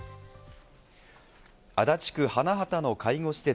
足立区花畑の介護施設